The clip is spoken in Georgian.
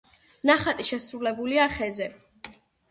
ნახატი შესრულებულია ხეზე.